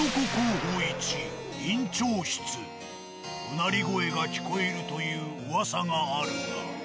唸り声が聞こえるという噂があるが。